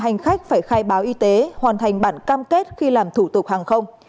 hành khách phải khai báo y tế hoàn thành bản cam kết khi làm thủ tục hàng không